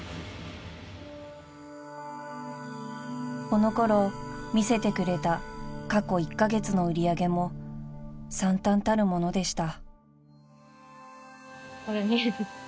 ［このころ見せてくれた過去１カ月の売り上げも惨憺たるものでした］